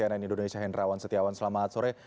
cnn indonesia hendrawan setiawan selamat sore